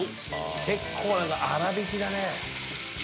結構なんか粗びきだね。